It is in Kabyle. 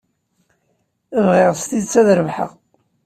Bɣiɣ s tidet ad rebḥeɣ.